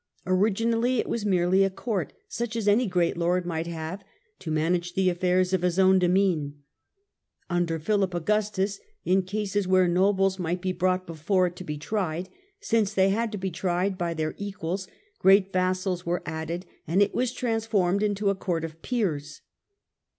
Originally it was merely a court, such as any great lord might have to manage the affairs of his own demesne. Under Philip Augustus, in cases where nobles might be brought before it to be tried, since they had to be tried by their equals, great vassals were added and it was transformed into a court of peers.